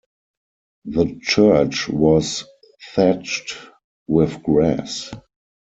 The church was thatched with grass.